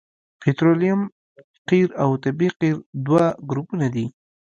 پطرولیم قیر او طبیعي قیر دوه ګروپونه دي